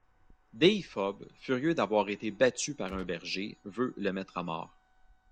Déiphobe, furieux d'avoir été battu par un berger, veut le mettre à mort.